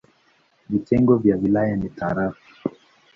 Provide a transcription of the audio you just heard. Vitengo vya wilaya ni tarafa.